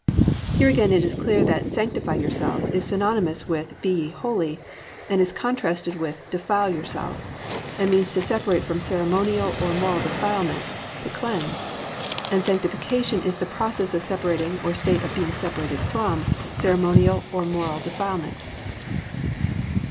"+ Here again it is clear that "sanctify yourselves" is synonymous with "be ye holy" and is contrasted with "defile yourselves" and means to separate from ceremonial or moral defilement, to cleanse; and Sanctification is the process of separating or state of being separated from ceremonial or moral defilement.